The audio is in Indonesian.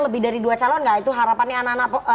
lebih dari dua calon nggak itu harapannya anak anak